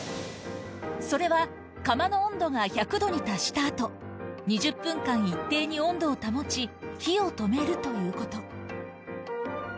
それは、釜の温度が１００度に達したあと、２０分間一定に温度を保ち、火を止めるということ。